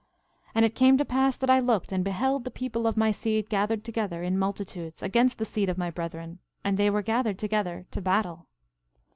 12:15 And it came to pass that I looked and beheld the people of my seed gathered together in multitudes against the seed of my brethren; and they were gathered together to battle.